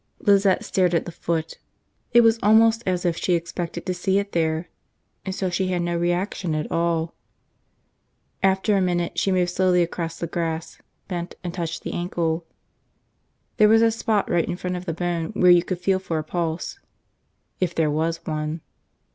Lizette stared at the foot. It was almost as if she expected to see it there and so she had no reaction at all. After a minute she moved slowly across the grass, bent, and touched the ankle. There was a spot right in front of the bone where you could feel for a pulse. If there was one.